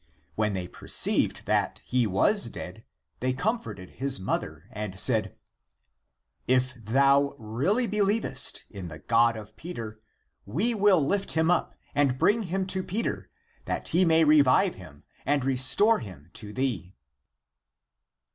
When they perceived that he was dead, they comforted his mother and said, " If thou really believest in the God of Peter, we will lift him up and bring him to Peter that he may revive him and restore him to thee."